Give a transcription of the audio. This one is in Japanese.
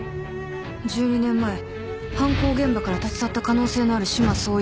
１２年前犯行現場から立ち去った可能性のある志摩総一郎。